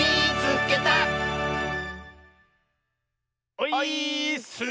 オイーッス！